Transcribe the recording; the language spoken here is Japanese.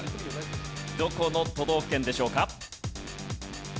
どこの都道府県でしょうか？